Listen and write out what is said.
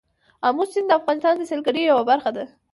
آمو سیند د افغانستان د سیلګرۍ یوه برخه ده.